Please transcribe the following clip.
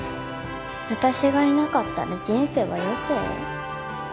私がいなかったら人生は余生？